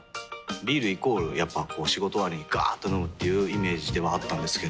ビールイコールやっぱこう仕事終わりにガーっと飲むっていうイメージではあったんですけど。